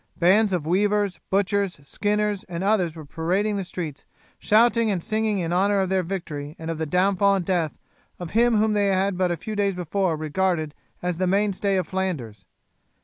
Bands of weavers, butchers, skinners, and others were parading the streets shouting and singing in honour of their victory and of the downfall and death of him whom they had but a few days before regarded as the mainstay of Flanders.